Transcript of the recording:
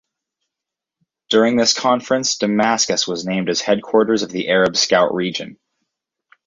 During this conference, Damascus was named as headquarters of the Arab Scout Region.